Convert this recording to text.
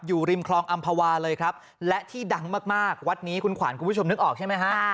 อยู่ริมคลองอำภาวาเลยครับและที่ดังมากวัดนี้คุณขวัญคุณผู้ชมนึกออกใช่ไหมฮะ